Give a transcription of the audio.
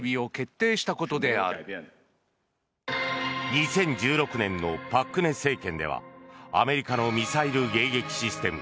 ２０１６年の朴槿惠政権ではアメリカの迎撃ミサイルシステム